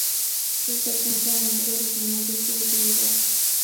Su impaciencia a menudo disminuye su utilidad.